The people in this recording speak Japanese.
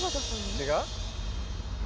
違う？